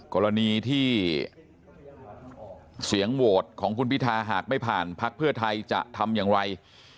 กรณีที่เสียงโหวตของคุณพิทาหากไม่ผ่านพักเพื่อไทยจะทำอย่างไร